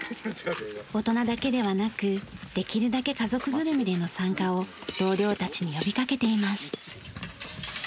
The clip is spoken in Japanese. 大人だけではなくできるだけ家族ぐるみでの参加を同僚たちに呼びかけています。